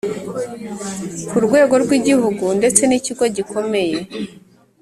Ku rwego rw igihugu ndetse n ikigo gikomeye